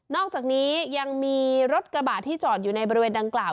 อกจากนี้ยังมีรถกระบะที่จอดอยู่ในบริเวณดังกล่าว